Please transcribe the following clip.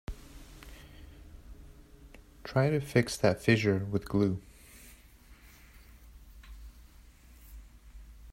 Try to fix that fissure with glue.